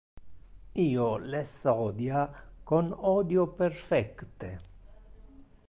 Io les odia con odio perfecte!